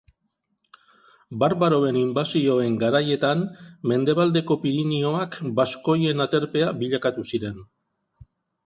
Barbaroen inbasioen garaietan mendebaldeko Pirinioak baskoien aterpea bilakatu ziren.